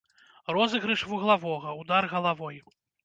Розыгрыш вуглавога, удар галавой.